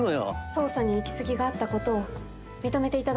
捜査に行き過ぎがあったことを認めていただけないでしょうか？